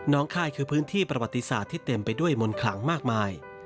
ค่ายคือพื้นที่ประวัติศาสตร์ที่เต็มไปด้วยมนต์ขลังมากมาย